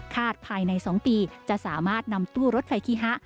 ภายใน๒ปีจะสามารถนำตู้รถไฟคิฮะ